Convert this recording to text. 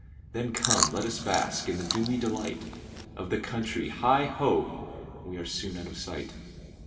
Then come, let us bask in the dewy delight Of the country hi! ho! we are soon out of sight.